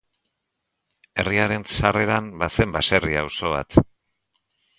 Herriaren sarreran bazen baserri auzo bat.